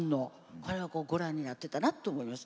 これはご覧になってたと思います。